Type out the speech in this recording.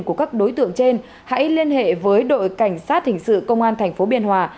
của các đối tượng trên hãy liên hệ với đội cảnh sát hình sự công an tp biên hòa